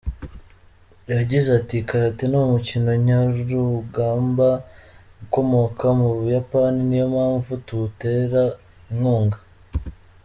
Yagize ati “Karate ni umukino njyarugamba ukomoka mu Buyapani niyo mpamvu tuwutera inkunga.